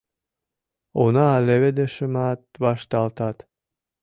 Уна, леведышымат вашталтат.